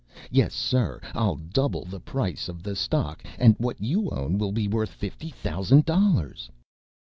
Yes, sir, I'll double the price of the stock, and what you own will be worth fifty thousand dollars!"